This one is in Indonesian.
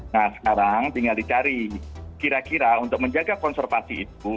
nah sekarang tinggal dicari kira kira untuk menjaga konservasi itu